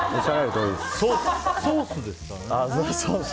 ソースですからね。